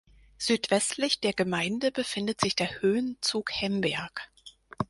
Südwestlich der Gemeinde befindet sich der Höhenzug Hemberg.